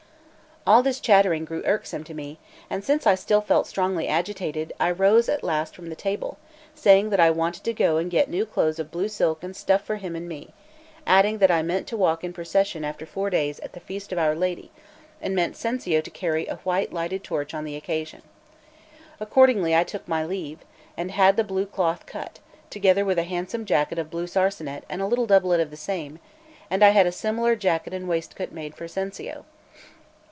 All this chattering grew irksome to me; and since I still felt strongly agitated, I rose at last from table, saying that I wanted to go and get new clothes of blue silk and stuff for him and me; adding that I meant to walk in procession after four days at the feast of Our Lady, and meant Cencio to carry a white lighted torch on the occasion. Accordingly I took my leave, and had the blue cloth cut, together with a handsome jacket of blue sarcenet and a little doublet of the same; and I had a similar jacket and waistcoat made for Cencio.